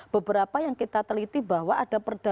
beberapa yang kita teliti bahwa ada perda